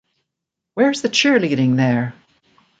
Where's the cheerleading there?